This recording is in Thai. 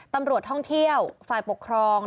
ตำรวจท่องเที่ยวฝ่ายปกครอง